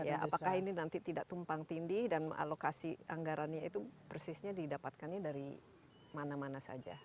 apakah ini nanti tidak tumpang tindih dan alokasi anggarannya itu persisnya didapatkannya dari mana mana saja